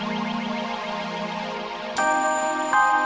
kau mangkukin emang biasanya